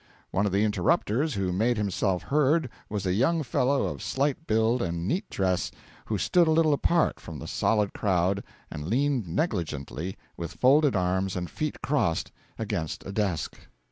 One of the interrupters who made himself heard was a young fellow of slight build and neat dress, who stood a little apart from the solid crowd and leaned negligently, with folded arms and feet crossed, against a desk.